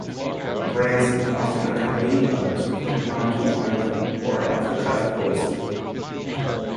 Branson often accompanying others with impromptu violin or off-the-cuff poesy.